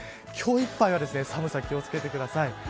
今日いっぱいは寒さに気を付けてください。